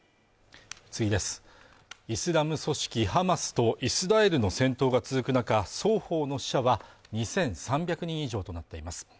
イスラム組織ハマスとイスラエルの戦闘が続く中双方の死者は２３００人以上となっています